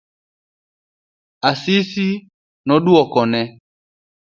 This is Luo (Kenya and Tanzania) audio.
Asisi nokoduoke.